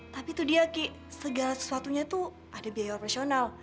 tapi tuh dia segala sesuatunya tuh ada biaya operasional